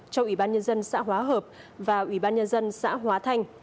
cho ủy ban nhân dân xã hóa hợp và ủy ban nhân dân xã hóa thanh